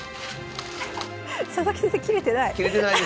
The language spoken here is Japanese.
佐々木先生切れてない。